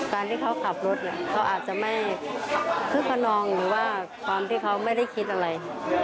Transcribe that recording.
การที่เขาขับรถเนี่ยเขาอาจจะไม่คึกขนองหรือว่าความที่เขาไม่ได้คิดอะไร